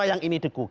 yang ini di digugat